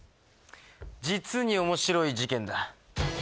実に面白い事件だ